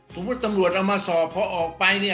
ตำรวจเอามาสอบพอออกไปเนี่ย